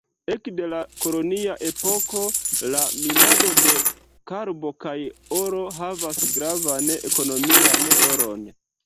Ekde la kolonia epoko, la minado de karbo kaj oro havas gravan ekonomian rolon.